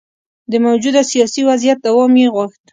د موجوده سیاسي وضعیت دوام یې غوښت.